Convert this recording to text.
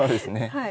はい。